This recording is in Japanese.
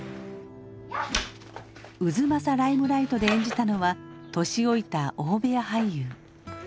「太秦ライムライト」で演じたのは年老いた大部屋俳優。